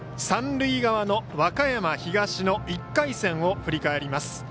三塁側の和歌山東の１回戦を振り返ります。